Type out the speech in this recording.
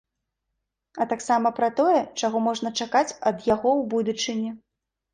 А таксама пра тое, чаго можна чакаць ад яго ў будучыні.